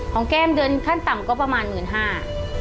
ของแก้มเดือนขั้นต่ำก็ประมาณ๑๕๐๐๐บาท